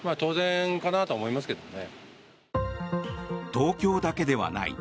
東京だけではない。